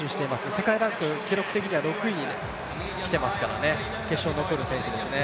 世界ランク記録的には６位に来てますからね決勝に残る選手ですね。